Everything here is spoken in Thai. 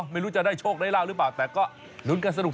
ไม่รู้จะได้โชคได้ราบหรือเปล่าแต่ก็ลุ้นกันสนุก